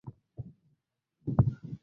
Viatu vyake vinapendeza